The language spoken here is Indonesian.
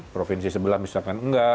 provinsi sebelah misalkan tidak